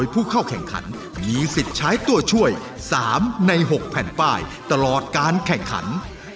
เพื่อจะพิชิตเงินรางวัลตามลำดับขั้นสูงสุดถึง๑ล้านบาท